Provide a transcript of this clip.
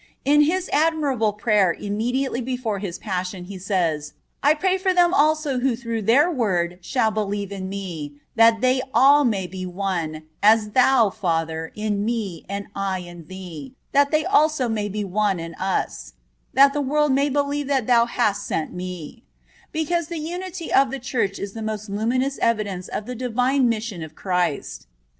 In His admirable prayer immediately before His passion He says: "I pray for them also who through their word shall believe in Me; that they all may be one, as Thou, Father, in Me and I in Thee, that they also may be one in Us; that the world may believe that Thou hast sent Me,"(16) because the unity of the Church is the most luminous evidence of the Divine mission of Christ.